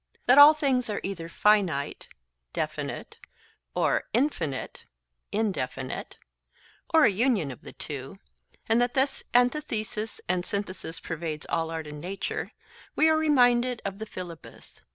that all things are either finite (definite) or infinite (indefinite), or a union of the two, and that this antithesis and synthesis pervades all art and nature, we are reminded of the Philebus.